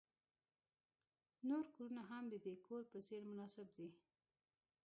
نور کورونه هم د دې کور په څیر مناسب دي